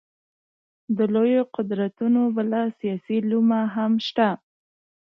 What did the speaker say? د لویو قدرتونو بله سیاسي لومه هم شته.